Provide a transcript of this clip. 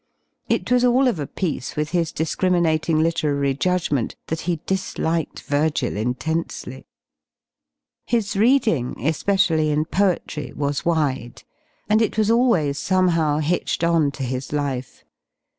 It was all of a piece with his discriminating literary judgment that he disliked Firgil intensely. His reading, especially in poetry, was wide, and it was always somehow hitched on to his life.